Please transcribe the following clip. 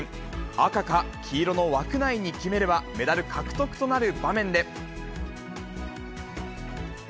赤か黄色の枠内に決めれば、メダル獲得となる場面で。